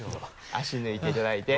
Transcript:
足抜いていただいて。